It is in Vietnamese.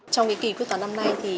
trong kỳ quyết toán năm nay